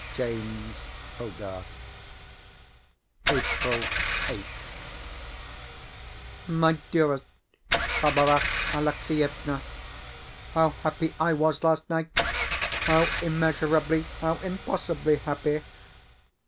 J. Hogarth April 8th MY DEAREST BARBARA ALEXIEVNA, How happy I was last night how immeasurably, how impossibly happy!